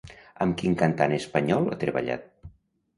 Amb quin cantant espanyol ha treballat?